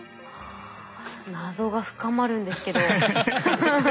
あ謎が深まるんですけど。